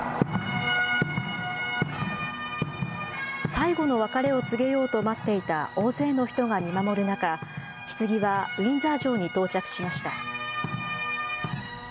最後の別れを告げようと待っていた大勢の人が見守る中、ひつぎはウィンザー城に到着しました。